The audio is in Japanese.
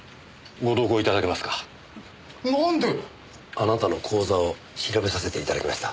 あなたの口座を調べさせていただきました。